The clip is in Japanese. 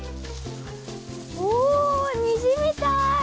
おにじみたい！